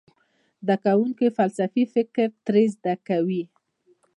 زده کوونکي فلسفي فکر ترې زده کوي.